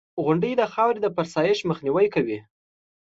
• غونډۍ د خاورو د فرسایش مخنیوی کوي.